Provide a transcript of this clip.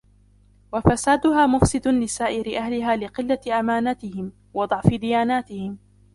وَفَسَادُهَا مُفْسِدٌ لِسَائِرِ أَهْلِهَا لِقِلَّةِ أَمَانَاتِهِمْ ، وَضَعْفِ دِيَانَاتِهِمْ